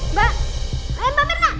mbak mirna mbak mirna